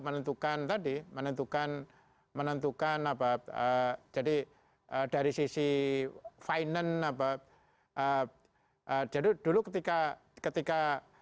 menentukan tadi menentukan menentukan apa jadi dari sisi fine naba jadul dulu ketika ketika